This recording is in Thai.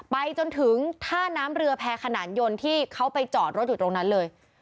ไปจนถึงท่าน้ำเรือแพรขนานยนที่เขาไปจอดรถอยู่ตรงนั้นเลย